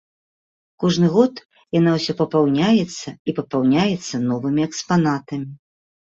Кожны год яна ўсё папаўняецца і папаўняецца новымі экспанатамі.